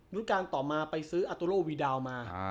ธุรกาลต่อมาไปซื้ออัตุโรวีดาวมา